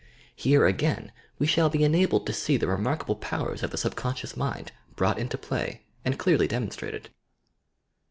Here again we shall he enabled to see the remarkable powers of the subconscious mind brought into play and dearly demonstrated.